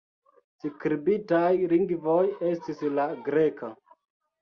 Skribitaj lingvoj estis la greka.